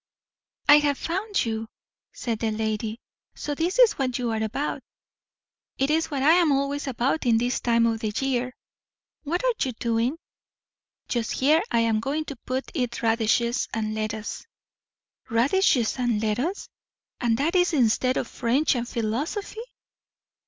"I have found you," said the lady. "So this is what you are about!" "It is what I am always about at this time of year." "What are you doing?" "Just here I am going to put in radishes and lettuce." "Radishes and lettuce! And that is instead of French and philosophy!"